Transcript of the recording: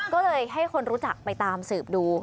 ก็เลยให้คนรู้จักไปตามสืบดู